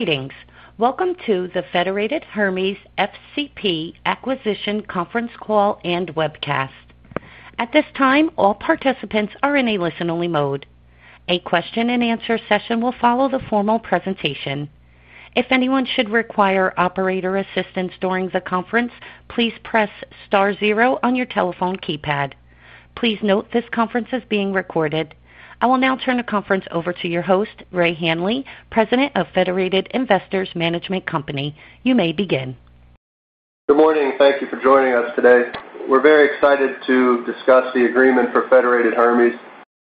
Greetings. Welcome to the Federated Hermes FCP Acquisition Conference Call and Webcast. At this time, all participants are in a listen-only mode. A question-and-answer session will follow the formal presentation. If anyone should require operator assistance during the conference, please press star zero on your telephone keypad. Please note this conference is being recorded. I will now turn the conference over to your host, Ray Hanley, President of Federated Investors Management Company. You may begin. Good morning. Thank you for joining us today. We're very excited to discuss the agreement for Federated Hermes to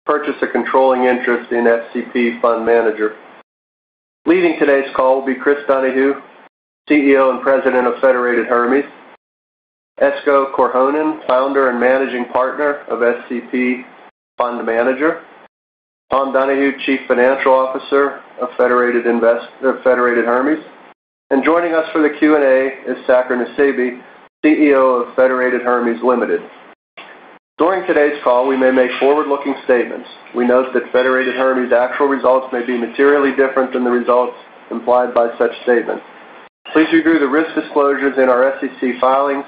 purchase a controlling interest in FCP Fund Manager. Leading today's call will be Chris Donahue, CEO and President of Federated Hermes, Esko Korhonen, Founder and Managing Partner of FCP Fund Manager, Tom Donahue, Chief Financial Officer of Federated Hermes, and joining us for the Q&A is Saker Nusseibeh, CEO of Federated Hermes Limited. During today's call, we may make forward-looking statements. We note that Federated Hermes' actual results may be materially different than the results implied by such statements. Please review the risk disclosures in our SEC filings.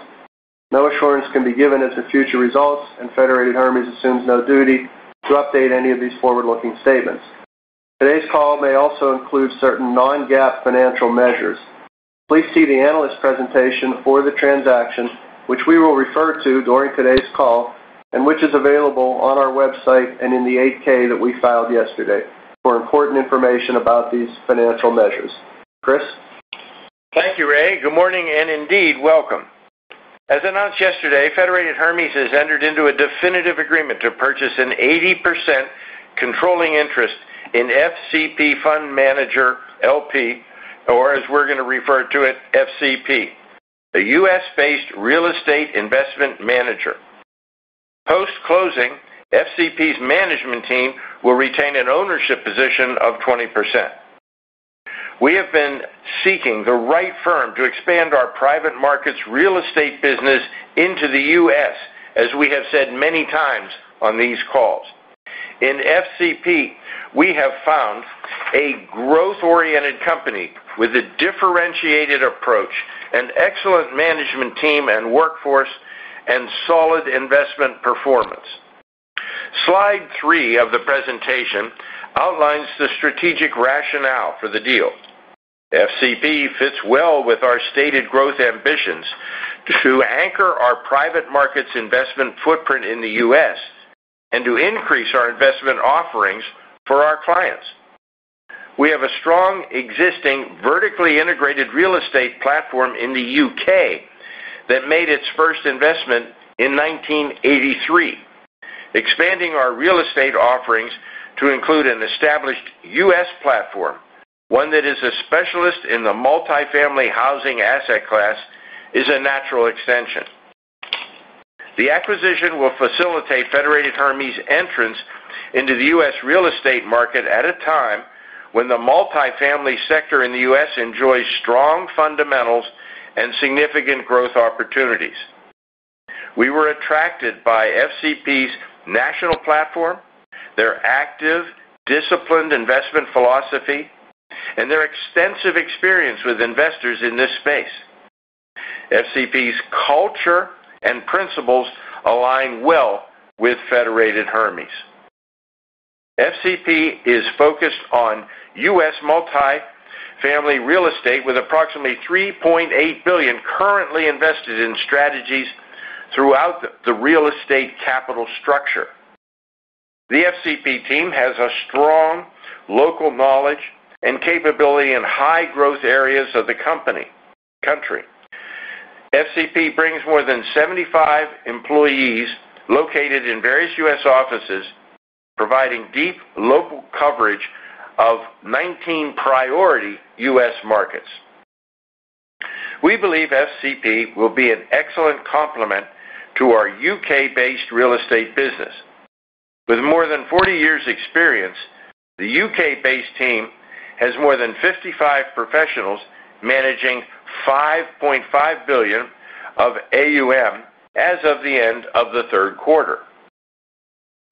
No assurance can be given as to future results, and Federated Hermes assumes no duty to update any of these forward-looking statements. Today's call may also include certain non-GAAP financial measures. Please see the analyst presentation for the transaction, which we will refer to during today's call and which is available on our website and in the 8-K that we filed yesterday for important information about these financial measures. Chris? Thank you, Ray. Good morning and indeed welcome. As announced yesterday, Federated Hermes has entered into a definitive agreement to purchase an 80% controlling interest in FCP Fund Manager LP, or as we're going to refer to it, FCP, a U.S.-based real estate investment manager. Post-closing, FCP's management team will retain an ownership position of 20%. We have been seeking the right firm to expand our private markets real estate business into the U.S., as we have said many times on these calls. In FCP, we have found a growth-oriented company with a differentiated approach, an excellent management team and workforce, and solid investment performance. Slide three of the presentation outlines the strategic rationale for the deal. FCP fits well with our stated growth ambitions to anchor our private markets investment footprint in the U.S. and to increase our investment offerings for our clients. We have a strong existing vertically integrated real estate platform in the U.K. that made its first investment in 1983. Expanding our real estate offerings to include an established U.S. platform, one that is a specialist in the multifamily housing asset class, is a natural extension. The acquisition will facilitate Federated Hermes' entrance into the U.S. real estate market at a time when the multifamily sector in the U.S. enjoys strong fundamentals and significant growth opportunities. We were attracted by FCP's national platform, their active, disciplined investment philosophy, and their extensive experience with investors in this space. FCP's culture and principles align well with Federated Hermes. FCP is focused on U.S. multifamily real estate with approximately $3.8 billion currently invested in strategies throughout the real estate capital structure. The FCP team has a strong local knowledge and capability in high-growth areas of the country. FCP brings more than 75 employees located in various U.S. offices, providing deep local coverage of 19 priority U.S. markets. We believe FCP will be an excellent complement to our U.K.-based real estate business. With more than 40 years' experience, the U.K.-based team has more than 55 professionals managing $5.5 billion of AUM as of the end of the third quarter.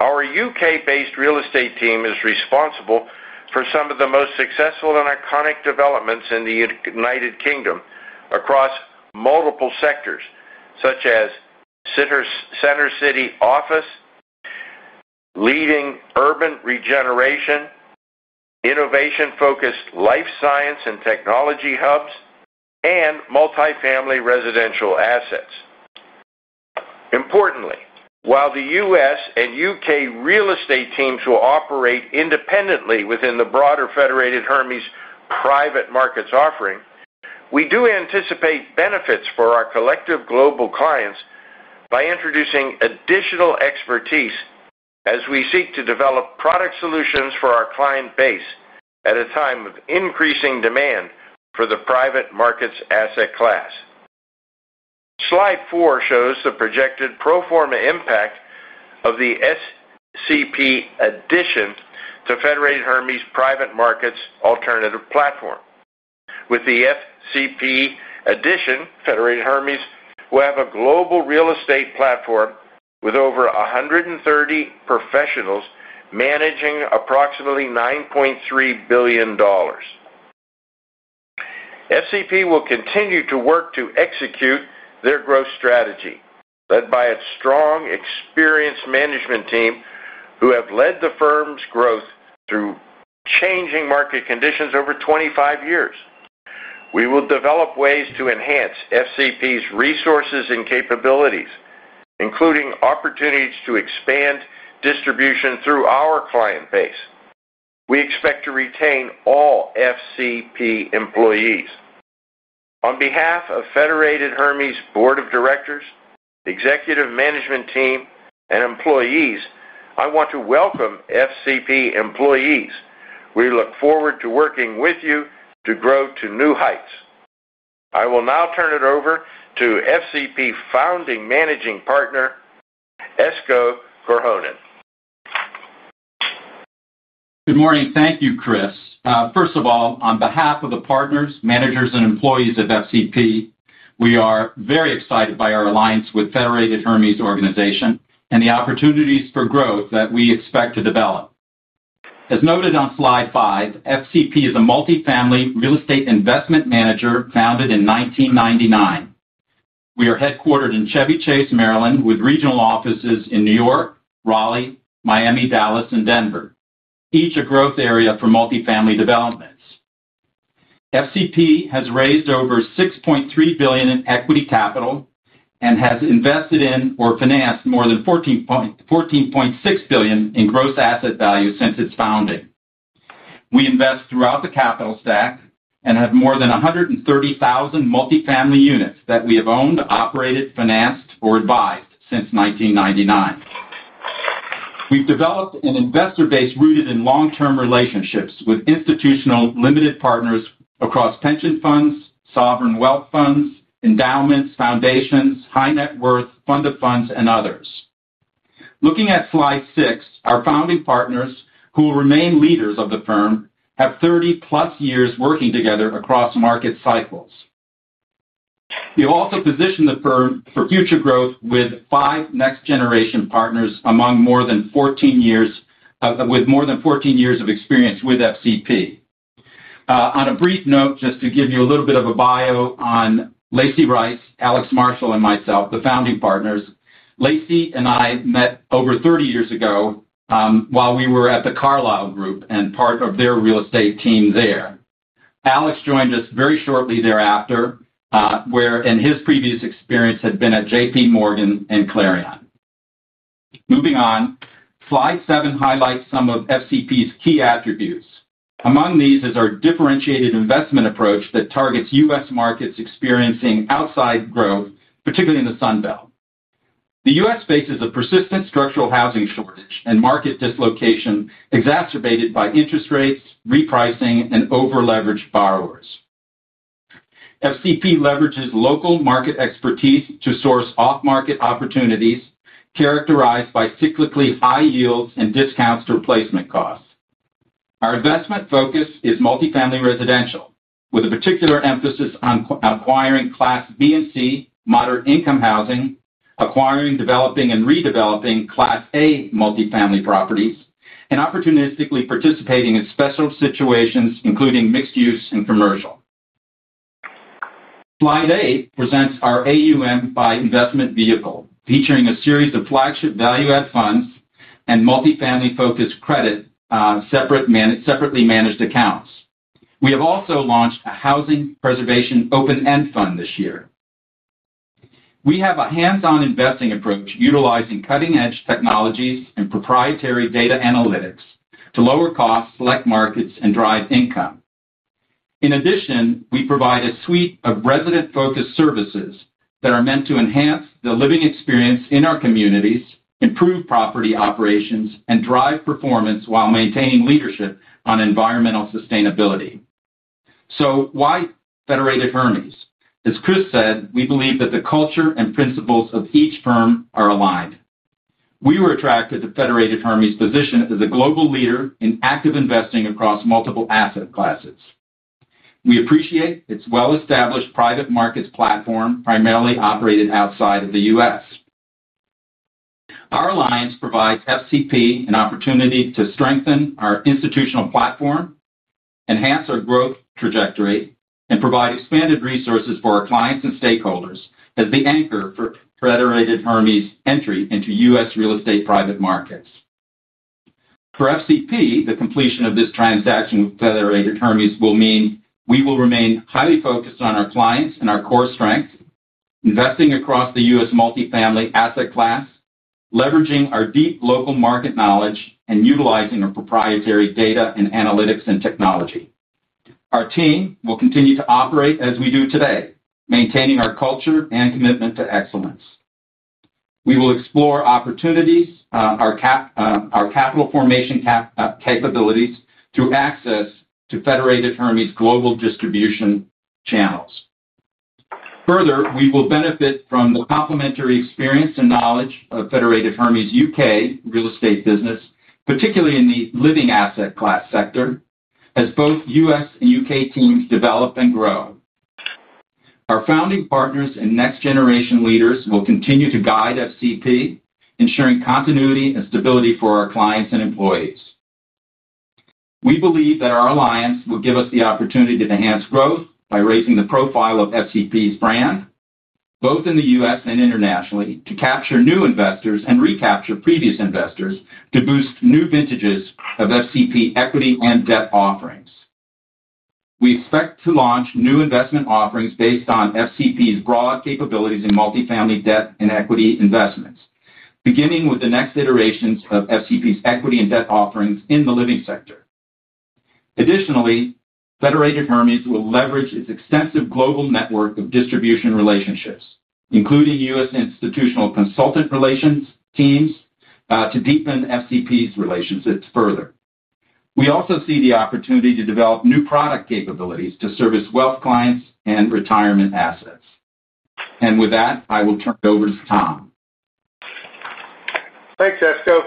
Our U.K.-based real estate team is responsible for some of the most successful and iconic developments in the United Kingdom across multiple sectors, such as Center City office, leading urban regeneration, innovation-focused life science and technology hubs, and multifamily residential assets. Importantly, while the U.S. and U.K. real estate teams will operate independently within the broader Federated Hermes private markets offering, we do anticipate benefits for our collective global clients by introducing additional expertise as we seek to develop product solutions for our client base at a time of increasing demand for the private markets asset class. Slide four shows the projected pro forma impact of the FCP addition to Federated Hermes private markets alternative platform. With the FCP addition, Federated Hermes will have a global real estate platform with over 130 professionals managing approximately $9.3 billion. FCP will continue to work to execute their growth strategy, led by its strong, experienced management team who have led the firm's growth through changing market conditions over 25 years. We will develop ways to enhance FCP's resources and capabilities, including opportunities to expand distribution through our client base. We expect to retain all FCP employees. On behalf of Federated Hermes board of directors, executive management team, and employees, I want to welcome FCP employees. We look forward to working with you to grow to new heights. I will now turn it over to FCP Founding Managing Partner, Esko Korhonen. Good morning. Thank you, Chris. First of all, on behalf of the partners, managers, and employees of FCP, we are very excited by our alliance with Federated Hermes organization and the opportunities for growth that we expect to develop. As noted on slide five, FCP is a multifamily real estate investment manager founded in 1999. We are headquartered in Chevy Chase, Maryland, with regional offices in New York, Raleigh, Miami, Dallas, and Denver, each a growth area for multifamily developments. FCP has raised over $6.3 billion in equity capital and has invested in or financed more than $14.6 billion in gross asset value since its founding. We invest throughout the capital stack and have more than 130,000 multifamily units that we have owned, operated, financed, or advised since 1999. We've developed an investor base rooted in long-term relationships with institutional limited partners across pension funds, sovereign wealth funds, endowments, foundations, high net worth funded funds, and others. Looking at slide six, our founding partners, who will remain leaders of the firm, have 30-plus years working together across market cycles. We also position the firm for future growth with five next-generation partners with more than 14 years of experience with FCP. On a brief note, just to give you a little bit of a bio on Lacy Rice, Alex Marshall, and myself, the founding partners, Lacy and I met over 30 years ago, while we were at the Carlyle Group and part of their real estate team there. Alex joined us very shortly thereafter, where in his previous experience had been at JPMorgan and Clarion. Moving on, slide seven highlights some of FCP's key attributes. Among these is our differentiated investment approach that targets U.S. markets experiencing outside growth, particularly in the Sunbelt. The U.S. faces a persistent structural housing shortage and market dislocation exacerbated by interest rates, repricing, and over-leveraged borrowers. FCP leverages local market expertise to source off-market opportunities characterized by cyclically high yields and discounts to replacement costs. Our investment focus is multifamily residential, with a particular emphasis on acquiring Class B and C moderate-income housing, acquiring, developing, and redeveloping Class A multifamily properties, and opportunistically participating in special situations, including mixed-use and commercial. Slide eight presents our AUM by investment vehicle, featuring a series of flagship value-add funds and multifamily-focused credit separately managed accounts. We have also launched a housing preservation open-end fund this year. We have a hands-on investing approach, utilizing cutting-edge technologies and proprietary data analytics to lower costs, select markets, and drive income. In addition, we provide a suite of resident-focused services that are meant to enhance the living experience in our communities, improve property operations, and drive performance while maintaining leadership on environmental sustainability. Why Federated Hermes? As Chris said, we believe that the culture and principles of each firm are aligned. We were attracted to Federated Hermes' position as a global leader in active investing across multiple asset classes. We appreciate its well-established private markets platform, primarily operated outside of the U.S. Our alliance provides FCP an opportunity to strengthen our institutional platform, enhance our growth trajectory, and provide expanded resources for our clients and stakeholders as the anchor for Federated Hermes' entry into U.S. real estate private markets. For FCP, the completion of this transaction with Federated Hermes will mean we will remain highly focused on our clients and our core strengths, investing across the U.S. multifamily asset class, leveraging our deep local market knowledge, and utilizing our proprietary data and analytics and technology. Our team will continue to operate as we do today, maintaining our culture and commitment to excellence. We will explore opportunities, our capital formation capabilities through access to Federated Hermes' global distribution channels. Further, we will benefit from the complementary experience and knowledge of Federated Hermes U.K. real estate business, particularly in the living asset class sector, as both U.S. and U.K. teams develop and grow. Our founding partners and next-generation leaders will continue to guide FCP, ensuring continuity and stability for our clients and employees. We believe that our alliance will give us the opportunity to enhance growth by raising the profile of FCP's brand, both in the U.S. and internationally, to capture new investors and recapture previous investors to boost new vintages of FCP equity and debt offerings. We expect to launch new investment offerings based on FCP's broad capabilities in multifamily debt and equity investments, beginning with the next iterations of FCP's equity and debt offerings in the living sector. Additionally, Federated Hermes will leverage its extensive global network of distribution relationships, including U.S. institutional consultant relations teams, to deepen FCP's relationships further. We also see the opportunity to develop new product capabilities to service wealth clients and retirement assets. With that, I will turn it over to Tom. Thanks, Esko.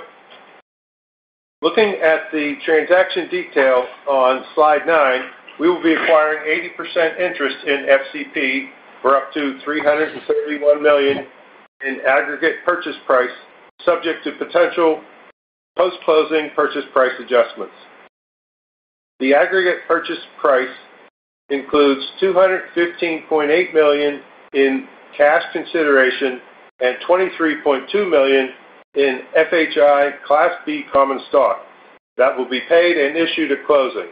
Looking at the transaction detail on slide nine, we will be acquiring 80% interest in FCP for up to $331 million in aggregate purchase price, subject to potential post-closing purchase price adjustments. The aggregate purchase price includes $215.8 million in cash consideration and $23.2 million in FHI Class B common stock that will be paid and issued at closing,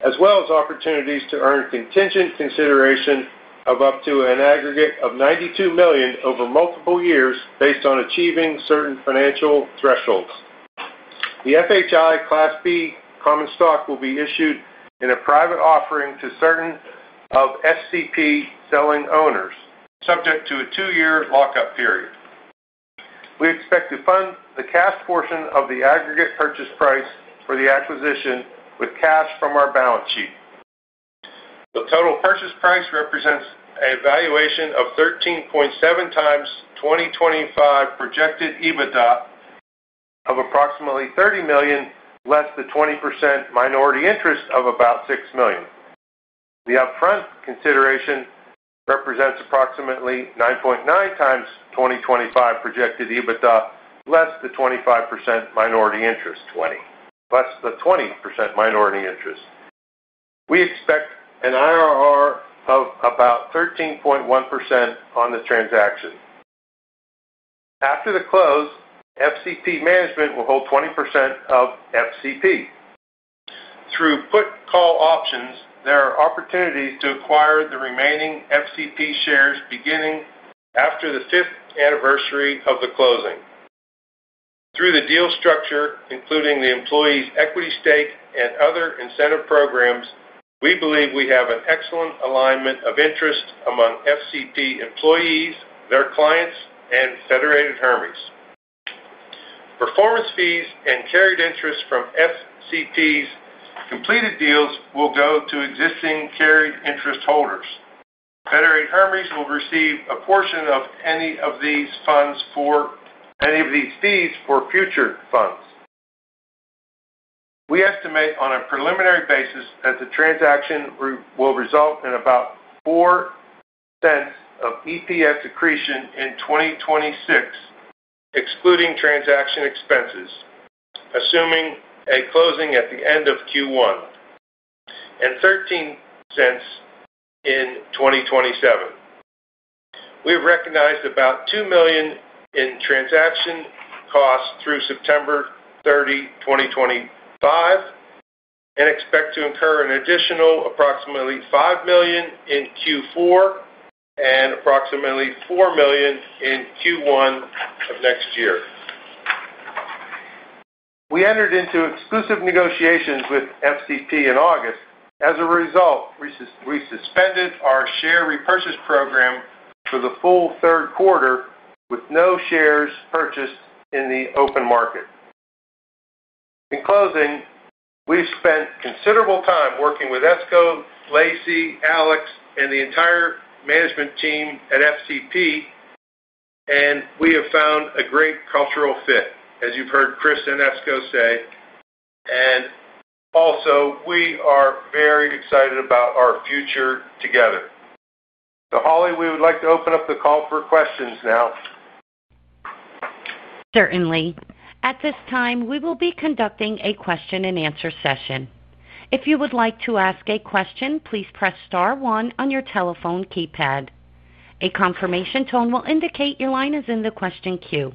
as well as opportunities to earn contingent consideration of up to an aggregate of $92 million over multiple years based on achieving certain financial thresholds. The FHI Class B common stock will be issued in a private offering to certain of FCP selling owners, subject to a 2-year lockup period. We expect to fund the cash portion of the aggregate purchase price for the acquisition with cash from our balance sheet. The total purchase price represents a valuation of 13.7x 2025 projected EBITDA of approximately $30 million, less the 20% minority interest of about $6 million. The upfront consideration represents approximately 9.9x 2025 projected EBITDA, less the 20% minority interest. We expect an IRR of about 13.1% on the transaction. After the close, FCP management will hold 20% of FCP. Through put-call options, there are opportunities to acquire the remaining FCP shares beginning after the fifth anniversary of the closing. Through the deal structure, including the employees' equity stake and other incentive programs, we believe we have an excellent alignment of interest among FCP employees, their clients, and Federated Hermes. Performance fees and carried interest from FCP's completed deals will go to existing carried interest holders. Federated Hermes will receive a portion of any of these fees for future funds. We estimate on a preliminary basis that the transaction will result in about $0.04 of EPS accretion in 2026, excluding transaction expenses, assuming a closing at the end of Q1, and $0.13 in 2027. We have recognized about $2 million in transaction costs through September 30, 2025, and expect to incur an additional approximately $5 million in Q4 and approximately $4 million in Q1 of next year. We entered into exclusive negotiations with FCP in August. As a result, we suspended our share repurchase program for the full third quarter with no shares purchased in the open market. In closing, we've spent considerable time working with Esko, Lacy, Alex, and the entire management team at FCP, and we have found a great cultural fit, as you've heard Chris and Esko say. We are very excited about our future together. Holly, we would like to open up the call for questions now. Certainly. At this time, we will be conducting a question-and-answer session. If you would like to ask a question, please press star one on your telephone keypad. A confirmation tone will indicate your line is in the question queue.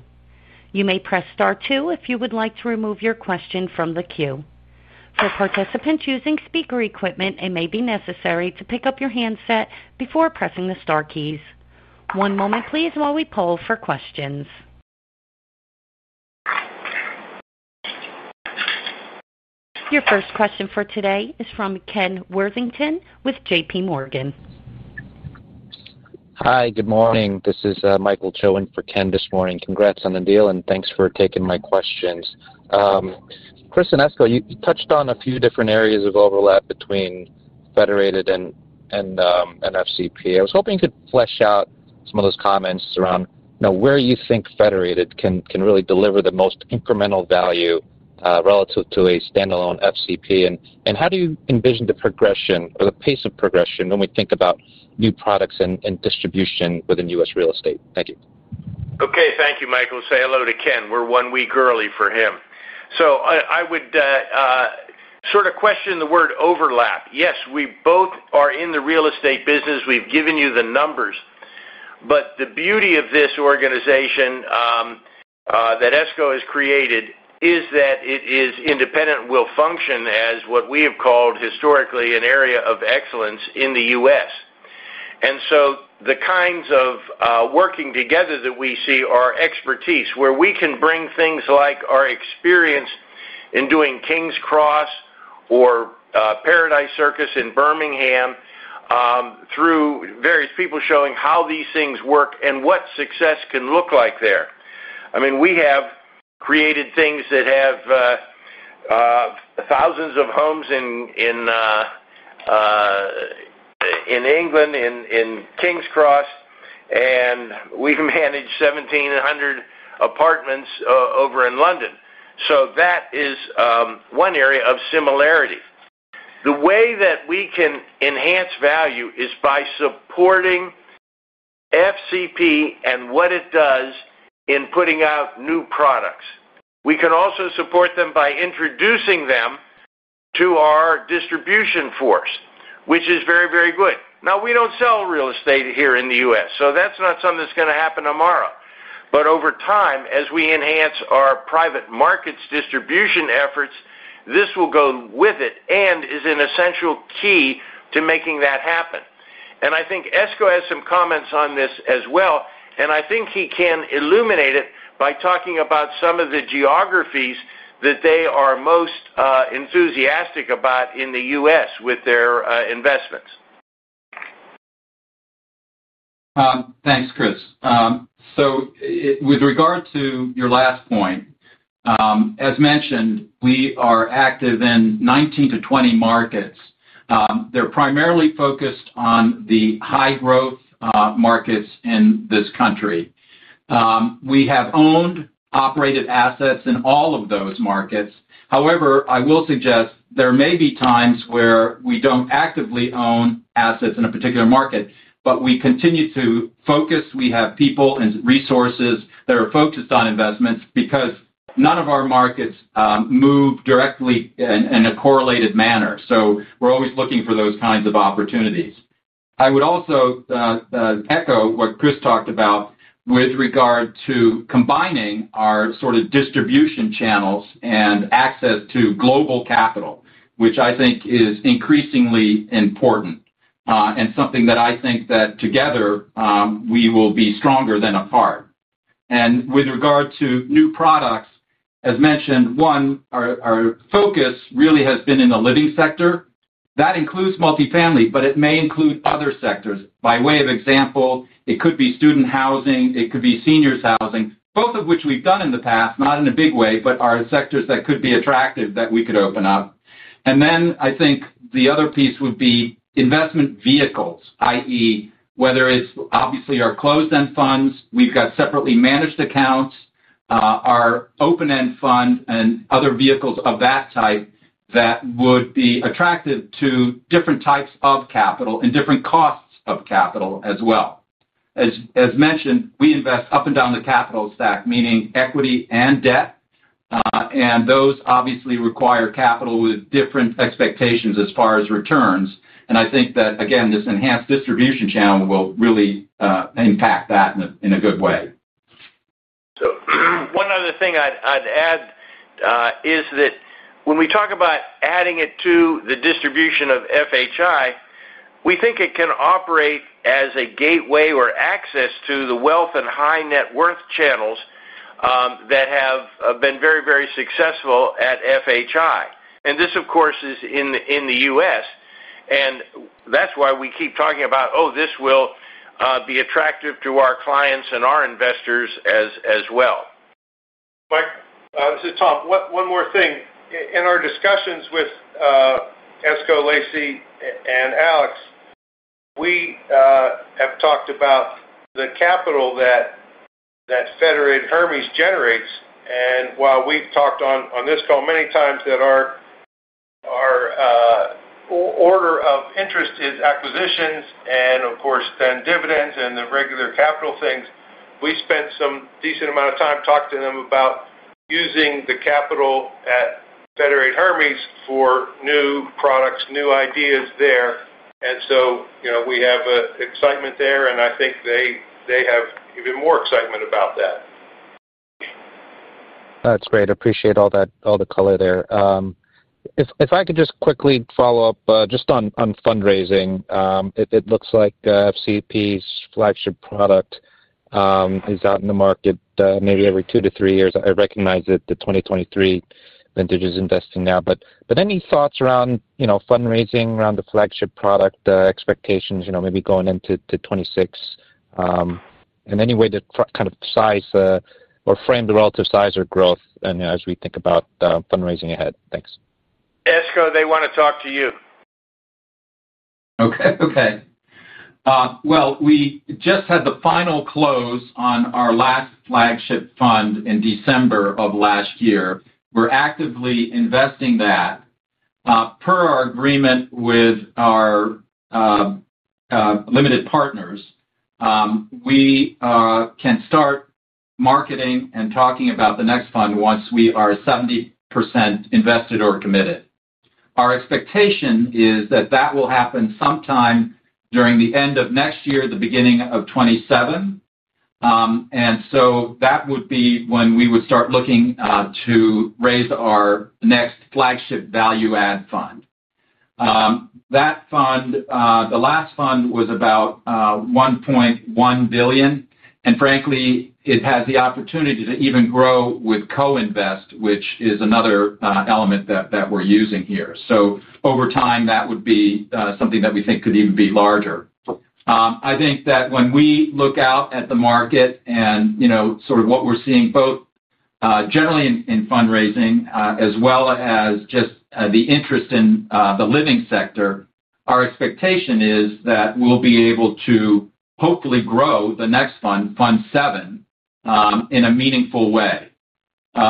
You may press star two if you would like to remove your question from the queue. For participants using speaker equipment, it may be necessary to pick up your handset before pressing the star keys. One moment, please, while we poll for questions. Your first question for today is from Kenneth Lee with JPMorgan. Hi. Good morning. This is Michael Cho in for Ken this morning. Congrats on the deal and thanks for taking my questions. Chris and Esko, you touched on a few different areas of overlap between Federated and FCP. I was hoping you could flesh out some of those comments around, you know, where you think Federated can really deliver the most incremental value relative to a standalone FCP. How do you envision the progression or the pace of progression when we think about new products and distribution within U.S. real estate? Thank you. Okay. Thank you, Michael. Say hello to Ken. We're one week early for him. I would sort of question the word overlap. Yes, we both are in the real estate business. We've given you the numbers. The beauty of this organization that Esko has created is that it is independent, will function as what we have called historically an area of excellence in the U.S. The kinds of working together that we see are expertise, where we can bring things like our experience in doing King's Cross or Paradise Circus in Birmingham through various people showing how these things work and what success can look like there. We have created things that have thousands of homes in England, in Kings Cross, and we've managed 1,700 apartments over in London. That is one area of similarity. The way that we can enhance value is by supporting FCP and what it does in putting out new products. We can also support them by introducing them to our distribution force, which is very, very good. We don't sell real estate here in the U.S., so that's not something that's going to happen tomorrow. Over time, as we enhance our private markets distribution efforts, this will go with it and is an essential key to making that happen. I think Esko has some comments on this as well, and I think he can illuminate it by talking about some of the geographies that they are most enthusiastic about in the U.S. with their investments. Thanks, Chris. With regard to your last point, as mentioned, we are active in 19-20 markets. They're primarily focused on the high-growth markets in this country. We have owned operated assets in all of those markets. However, I will suggest there may be times where we don't actively own assets in a particular market, but we continue to focus. We have people and resources that are focused on investments because none of our markets move directly in a correlated manner. We're always looking for those kinds of opportunities. I would also echo what Chris talked about with regard to combining our sort of distribution channels and access to global capital, which I think is increasingly important and something that I think that together we will be stronger than apart. With regard to new products, as mentioned, one, our focus really has been in the living sector. That includes multifamily, but it may include other sectors. By way of example, it could be student housing, it could be seniors' housing, both of which we've done in the past, not in a big way, but are sectors that could be attractive that we could open up. I think the other piece would be investment vehicles, i.e., whether it's obviously our closed-end funds, we've got separately managed accounts, our open-end fund, and other vehicles of that type that would be attractive to different types of capital and different costs of capital as well. As mentioned, we invest up and down the capital stack, meaning equity and debt, and those obviously require capital with different expectations as far as returns. I think that, again, this enhanced distribution channel will really impact that in a good way. One other thing I'd add is that when we talk about adding it to the distribution of FHI, we think it can operate as a gateway or access to the wealth and high net worth channels that have been very, very successful at FHI. This, of course, is in the U.S., which is why we keep talking about, "Oh, this will be attractive to our clients and our investors as well. This is Tom. One more thing. In our discussions with Esko, Lacy, and Alex, we have talked about the capital that Federated Hermes generates. While we've talked on this call many times that our order of interest is acquisitions and, of course, then dividends and the regular capital things, we spent some decent amount of time talking to them about using the capital at Federated Hermes for new products, new ideas there. We have excitement there, and I think they have even more excitement about that. That's great. I appreciate all the color there. If I could just quickly follow up on fundraising, it looks like FCP's flagship product is out in the market maybe every 2-3 years. I recognize that the 2023 vintage is investing now. Any thoughts around fundraising around the flagship product expectations, maybe going into 2026? Any way to kind of size or frame the relative size or growth as we think about fundraising ahead? Thanks. Esko, they want to talk to you. Okay. We just had the final close on our last flagship fund in December of last year. We're actively investing that. Per our agreement with our limited partners, we can start marketing and talking about the next fund once we are 70% invested or committed. Our expectation is that that will happen sometime during the end of next year, the beginning of 2027. That would be when we would start looking to raise our next flagship value-add fund. That fund, the last fund, was about $1.1 billion. Frankly, it has the opportunity to even grow with Co-Invest, which is another element that we're using here. Over time, that would be something that we think could even be larger. I think that when we look out at the market and sort of what we're seeing both generally in fundraising as well as just the interest in the living sector, our expectation is that we'll be able to hopefully grow the next fund, Fund VII, in a meaningful way. Does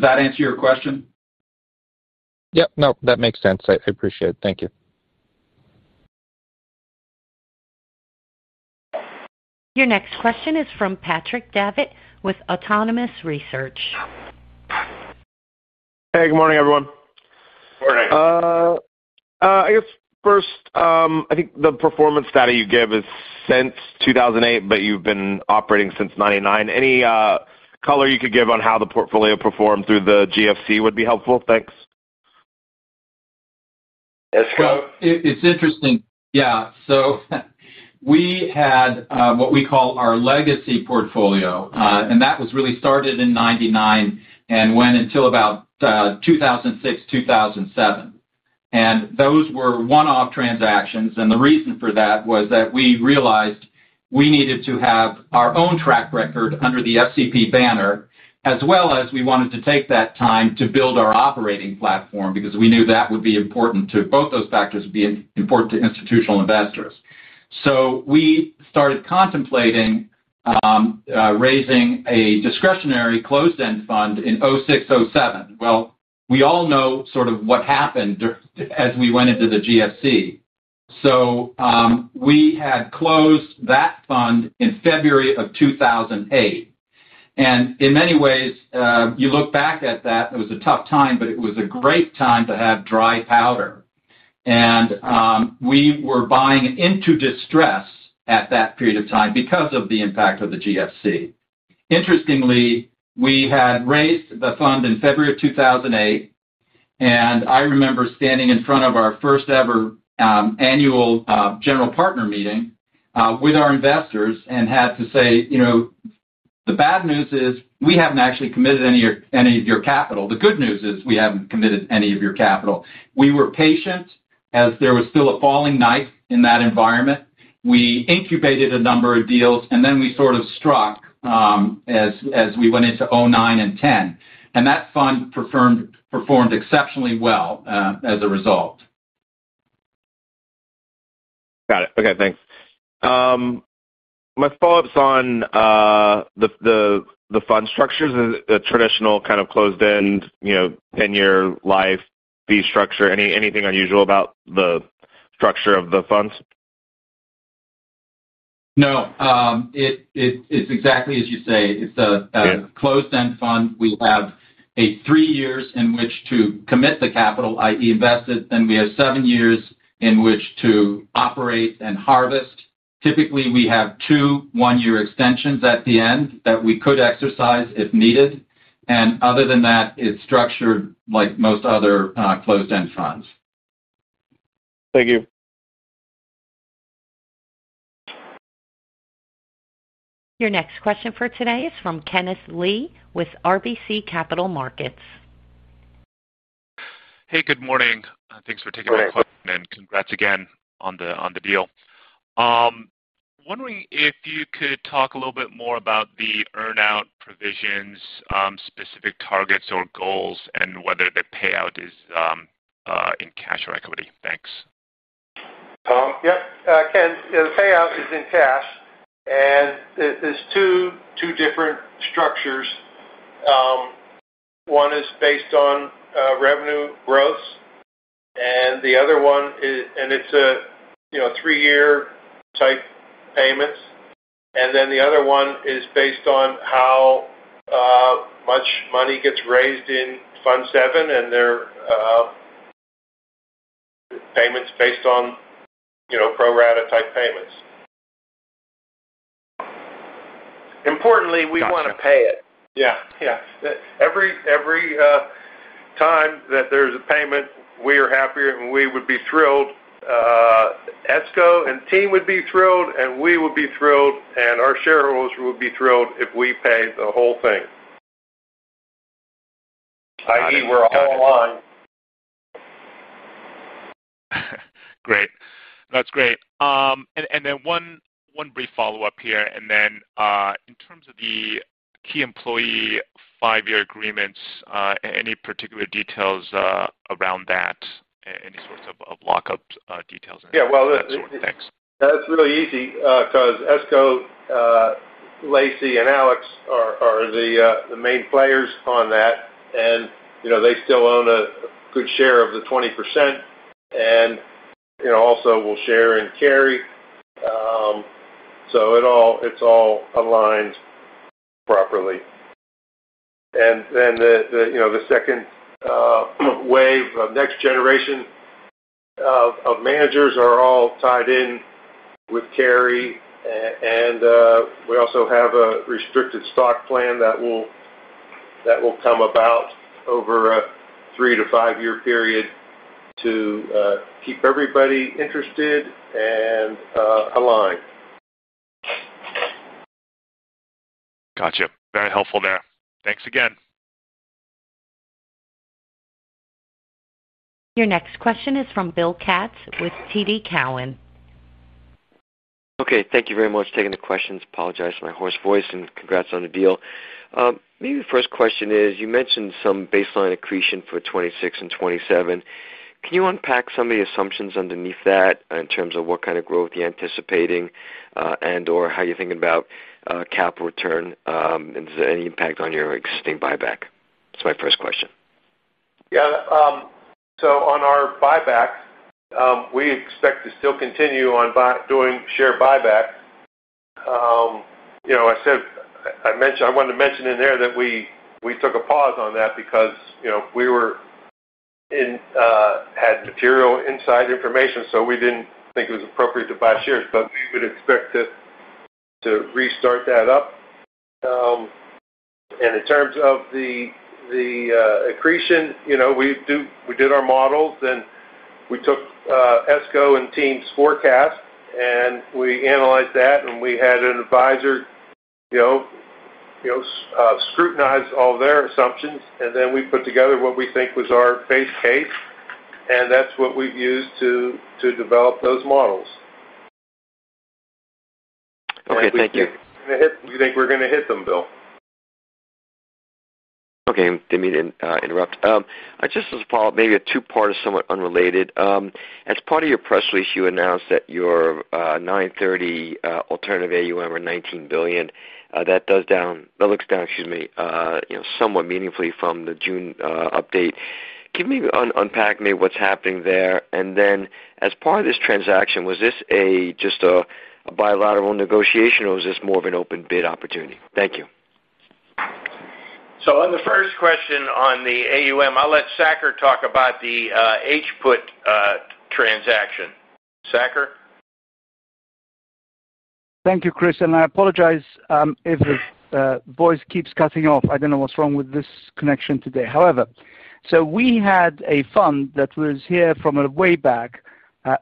that answer your question? No, that makes sense. I appreciate it. Thank you. Your next question is from Patrick Davitt with Autonomous Research. Hey, good morning, everyone. Morning. I guess first, I think the performance data you give is since 2008, but you've been operating since 1999. Any color you could give on how the portfolio performed through the GFC would be helpful. Thanks. It's interesting. Yeah. We had what we call our legacy portfolio, and that was really started in 1999 and went until about 2006, 2007. Those were one-off transactions. The reason for that was that we realized we needed to have our own track record under the FCP banner, as well as we wanted to take that time to build our operating platform because we knew both those factors would be important to institutional investors. We started contemplating raising a discretionary closed-end fund in 2006, 2007. We all know sort of what happened as we went into the GFC. We had closed that fund in February of 2008. In many ways, you look back at that, it was a tough time, but it was a great time to have dry powder. We were buying into distress at that period of time because of the impact of the GFC. Interestingly, we had raised the fund in February of 2008. I remember standing in front of our first ever annual general partner meeting with our investors and had to say, "You know, the bad news is we haven't actually committed any of your capital. The good news is we haven't committed any of your capital." We were patient as there was still a falling knife in that environment. We incubated a number of deals, and then we sort of struck as we went into 2009 and 2010. That fund performed exceptionally well as a result. Got it. Okay. Thanks. My follow-up is on the fund structures. Is it a traditional kind of closed-end, you know, 10-year life fee structure? Anything unusual about the structure of the funds? No. It's exactly as you say. It's a closed-end fund. We have 3 years in which to commit the capital, i.e., invest it. Then we have 7 years in which to operate and harvest. Typically, we have two 1-year extensions at the end that we could exercise if needed. Other than that, it's structured like most other closed-end funds. Thank you. Your next question for today is from Kenneth Lee with RBC Capital Markets. Hey, good morning. Thanks for taking my question and congrats again on the deal. I'm wondering if you could talk a little bit more about the earnout provisions, specific targets or goals, and whether the payout is in cash or equity. Thanks. Yep. Ken, the payout is in cash. There are two different structures. One is based on revenue growth, and the other one is a 3-year type payment. The other one is based on how much money gets raised in Fund VII, and their payment's based on pro rata type payments. Importantly, we want to pay it. Yeah. Every time that there's a payment, we are happier and we would be thrilled. Esko and the team would be thrilled, and we would be thrilled, and our shareholders would be thrilled if we pay the whole thing, i.e., we're all in line. Great. That's great. One brief follow-up here. In terms of the key employee five-year agreements, any particular details around that, any sorts of lockup details? That's really easy because Esko, Lacy, and Alex are the main players on that. You know they still own a good share of the 20% and you know also will share in carry. It all aligns properly. The second wave of next generation of managers are all tied in with carry. We also have a restricted stock plan that will come about over a 3-5 year period to keep everybody interested and aligned. Gotcha. Very helpful there. Thanks again. Your next question is from Bill Katz with TD Cowen. Okay. Thank you very much for taking the questions. Apologize for my hoarse voice and congrats on the deal. Maybe the first question is you mentioned some baseline accretion for 2026 and 2027. Can you unpack some of the assumptions underneath that in terms of what kind of growth you're anticipating and/or how you're thinking about capital return? Is there any impact on your existing buyback? That's my first question. Yeah. On our buyback, we expect to still continue on doing share buyback. I wanted to mention in there that we took a pause on that because we had material inside information, so we didn't think it was appropriate to buy shares. We would expect to restart that up. In terms of the accretion, we did our models and we took Esko and team's forecast and we analyzed that and we had an advisor scrutinize all of their assumptions. We put together what we think was our base case. That's what we've used to develop those models. Okay, thank you. Do you think we're going to hit them, Bill? Okay. I didn't mean to interrupt. Just as a follow-up, maybe a two-part or somewhat unrelated. As part of your press release, you announced that your [9, 30] alternative AUM, or $19 billion, that is down, that looks down, excuse me, you know, somewhat meaningfully from the June update. Can you maybe unpack maybe what's happening there? Then as part of this transaction, was this just a bilateral negotiation or was this more of an open bid opportunity? Thank you. On the first question on the AUM, I'll let Saker talk about the HPUT transaction. Saker. Thank you, Chris. I apologize if the voice keeps cutting off. I don't know what's wrong with this connection today. We had a fund that was here from way back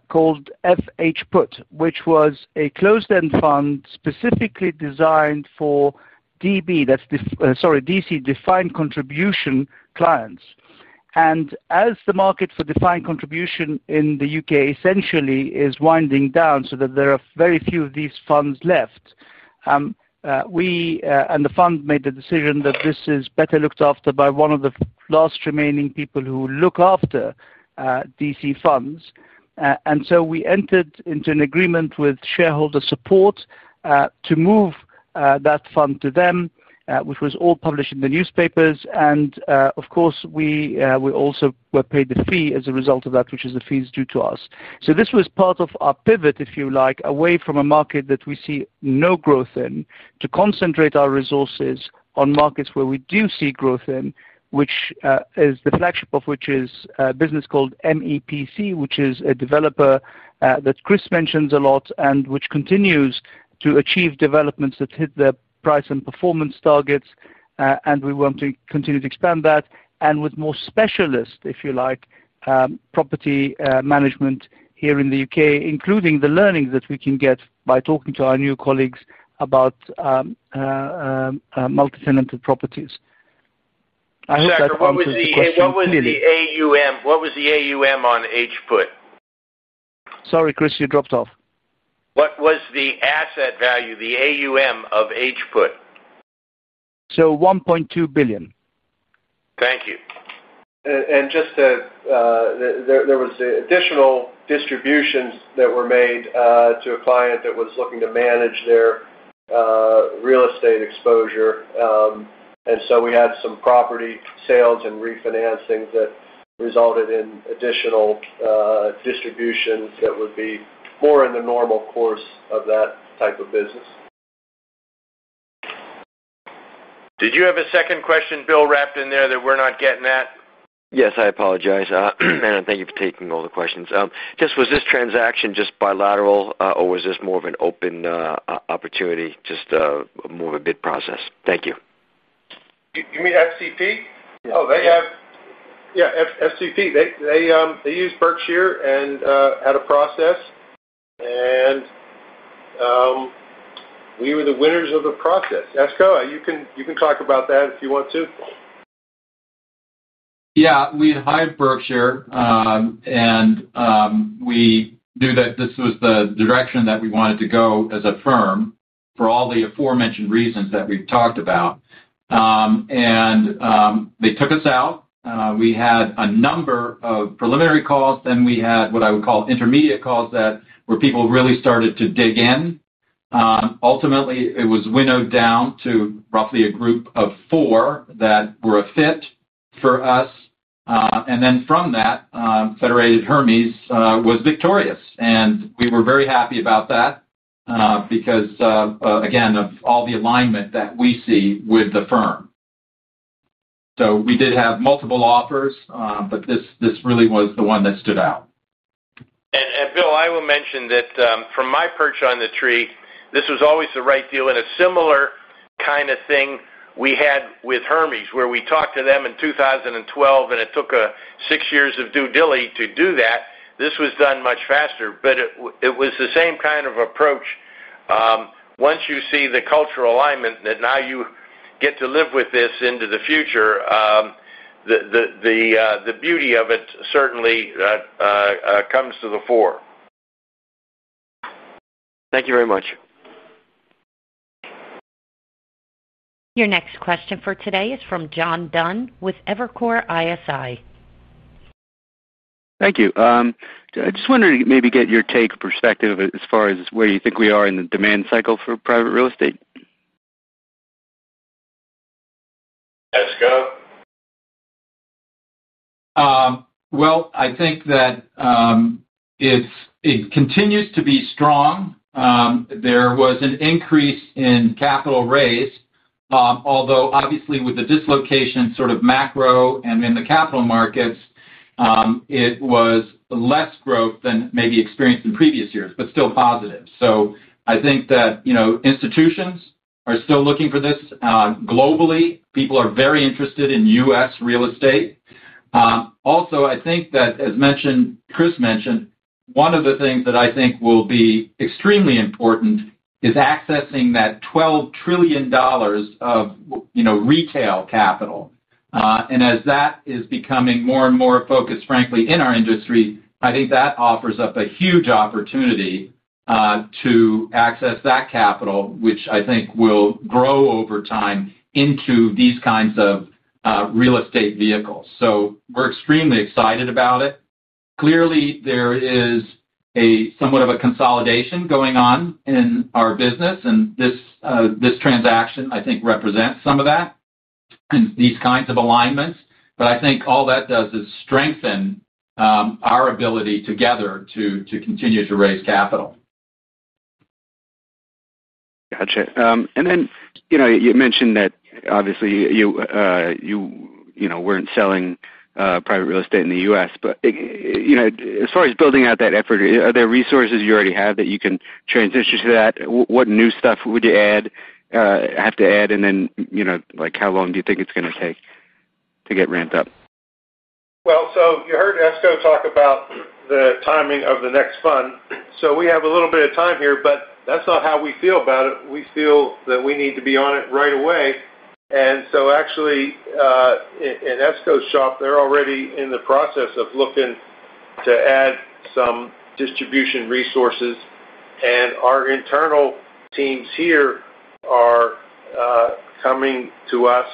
called FHPUT, which was a closed-end fund specifically designed for DC, defined contribution clients. As the market for defined contribution in the U.K. essentially is winding down so that there are very few of these funds left, we and the fund made the decision that this is better looked after by one of the last remaining people who look after DC funds. We entered into an agreement with shareholder support to move that fund to them, which was all published in the newspapers. Of course, we also were paid a fee as a result of that, which is the fees due to us. This was part of our pivot, if you like, away from a market that we see no growth in to concentrate our resources on markets where we do see growth in, which is the flagship of which is a business called MEPC, which is a developer that Chris mentions a lot and which continues to achieve developments that hit the price and performance targets. We want to continue to expand that and with more specialists, if you like, property management here in the U.K., including the learning that we can get by talking to our new colleagues about multifamily properties. What was the AUM? What was the AUM on HPUT? Sorry, Chris, you dropped off. What was the asset value, the AUM of HPUT? $1.2 billion. Thank you. There were additional distributions that were made to a client that was looking to manage their real estate exposure. We had some property sales and refinancing that resulted in additional distributions that would be more in the normal course of that type of business. Did you have a second question, Bill, wrapped in there that we're not getting? Yes, I apologize. Thank you for taking all the questions. Was this transaction just bilateral or was this more of an open opportunity, just more of a bid process? Thank you. You mean FCP? Yeah. Oh, yeah. FCP. They used Berkshire and had a process, and we were the winners of the process. Esko, you can talk about that if you want to. We had hired Berkshire, and we knew that this was the direction that we wanted to go as a firm for all the aforementioned reasons that we've talked about. They took us out. We had a number of preliminary calls, then we had what I would call intermediate calls where people really started to dig in. Ultimately, it was winnowed down to roughly a group of four that were a fit for us. From that, Federated Hermes was victorious. We were very happy about that because, again, of all the alignment that we see with the firm. We did have multiple offers, but this really was the one that stood out. Bill, I will mention that from my perch on the tree, this was always the right deal. A similar kind of thing we had with Hermes, where we talked to them in 2012 and it took 6 years of due dili to do that. This was done much faster, but it was the same kind of approach. Once you see the cultural alignment that now you get to live with this into the future, the beauty of it certainly comes to the fore. Thank you very much. Your next question for today is from John Dunn with Evercore ISI. Thank you. I just wanted to maybe get your take or perspective as far as where you think we are in the demand cycle for private real estate. Esko? I think that it continues to be strong. There was an increase in capital raised, although obviously with the dislocation in the macro and in the capital markets, it was less growth than maybe experienced in previous years, but still positive. I think that, you know, institutions are still looking for this. Globally, people are very interested in U.S. real estate. I think that, as mentioned, Chris mentioned, one of the things that I think will be extremely important is accessing that $12 trillion of, you know, retail capital. As that is becoming more and more focused, frankly, in our industry, I think that offers up a huge opportunity to access that capital, which I think will grow over time into these kinds of real estate vehicles. We're extremely excited about it. Clearly, there is somewhat of a consolidation going on in our business, and this transaction, I think, represents some of that and these kinds of alignments. I think all that does is strengthen our ability together to continue to raise capital. Gotcha. You mentioned that obviously you weren't selling private real estate in the U.S. As far as building out that effort, are there resources you already have that you can transition to that? What new stuff would you have to add, and how long do you think it's going to take to get ramped up? You heard Esko talk about the timing of the next fund. We have a little bit of time here, but that's not how we feel about it. We feel that we need to be on it right away. In Esko's shop, they're already in the process of looking to add some distribution resources. Our internal teams here are coming to us.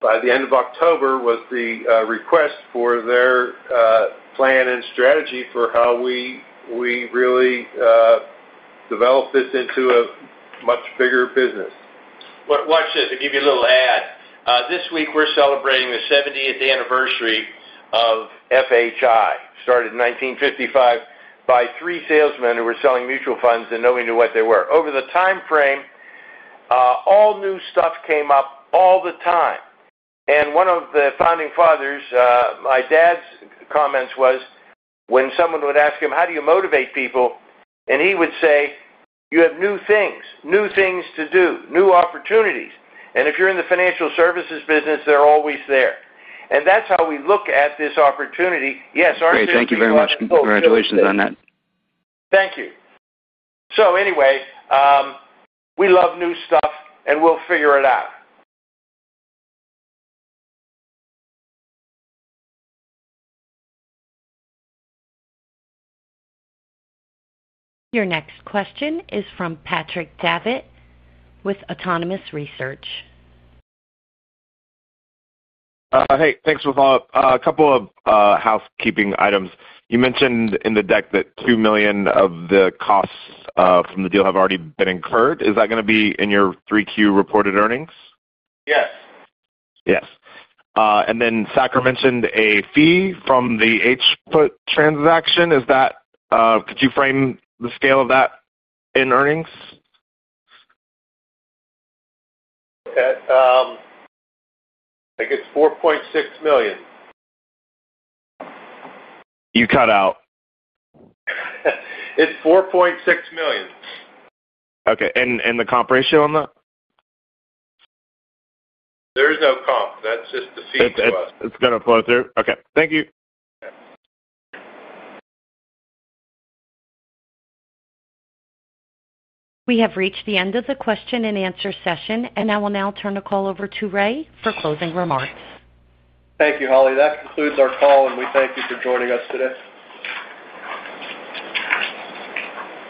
By the end of October was the request for their plan and strategy for how we really develop this into a much bigger business. Watch this. I'll give you a little add. This week, we're celebrating the 70th anniversary of FHI. Started in 1955 by three salesmen who were selling mutual funds and nobody knew what they were. Over the time frame, all new stuff came up all the time. One of the founding fathers, my dad's comments was when someone would ask him, "How do you motivate people?" He would say, "You have new things, new things to do, new opportunities. If you're in the financial services business, they're always there." That's how we look at this opportunity. Yes, our system. Great. Thank you very much. Congratulations on that. Thank you. Anyway, we love new stuff and we'll figure it out. Your next question is from Patrick Davitt with Autonomous Research. Hey, thanks for the follow-up. A couple of housekeeping items. You mentioned in the deck that $2 million of the costs from the deal have already been incurred. Is that going to be in your 3Q reported earnings? Yes. Yes. Saker mentioned a fee from the HPUT transaction. Is that, could you frame the scale of that in earnings? I think it's $4.6 million. You cut out. It's $4.6 million. Okay. The comp ratio on that? There is no comp, that's just the fee to us. It's going to flow through? Okay, thank you. We have reached the end of the question-and-answer session, and I will now turn the call over to Ray for closing remarks. Thank you, Holly. That concludes our call, and we thank you for joining us today.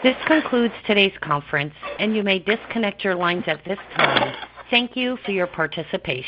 This concludes today's conference, and you may disconnect your lines at this time. Thank you for your participation.